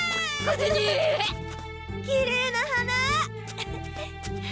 きれいな花！